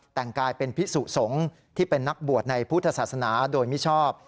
แต่งกายเป็นพิสุสงฆ์ที่เป็นนักบวชในพุทธศาสนาโดยมิชอบ